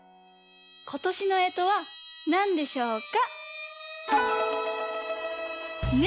ことしのえとはなんでしょか！